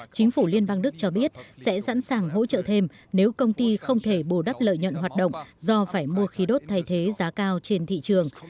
chính phủ liên bang đức cho biết sẽ sẵn sàng hỗ trợ thêm nếu công ty không thể bù đắp lợi nhuận hoạt động do phải mua khí đốt thay thế giá cao trên thị trường